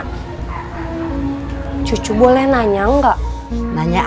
hai cocok boleh nanya enggak nanya apa tentang pak pak